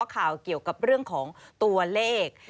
ข่าวเกี่ยวกับเรื่องของตัวเลข